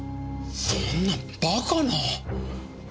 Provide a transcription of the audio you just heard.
そんなバカな！